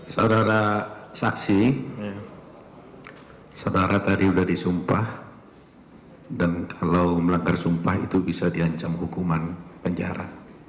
saudara saksi saudara tadi sudah disumpah dan kalau melanggar sumpah itu bisa diancam hukuman penjara